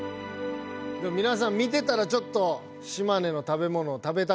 みなさん見てたらちょっとえ？